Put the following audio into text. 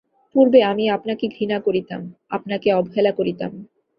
পূর্বে আমি আপনাকে ঘৃণা করিতাম, আপনাকে অবহেলা করিতাম।